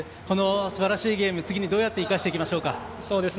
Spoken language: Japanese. このすばらしいゲーム次にどうやって生かしていきましょうか。